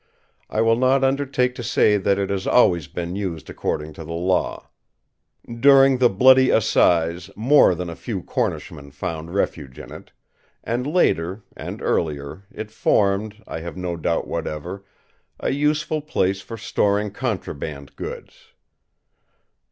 I will not undertake to say that it has always been used according to the law. During the Bloody Assize more than a few Cornishmen found refuge in it; and later, and earlier, it formed, I have no doubt whatever, a useful place for storing contraband goods.